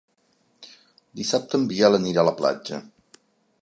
Dissabte en Biel anirà a la platja.